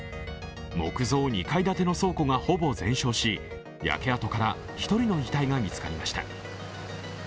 木造２階建ての倉庫がほぼ全焼し、焼け跡から１人の遺体が見つかりました。